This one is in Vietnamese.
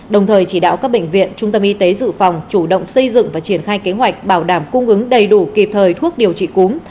đồng thời chỉ đạo các bệnh viện trung tâm y tế dự phòng chủ động xây dựng và triển khai kế hoạch bảo đảm cung ứng đầy đủ kịp thời thuốc điều trị cúm